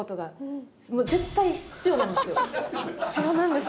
必要なんですか？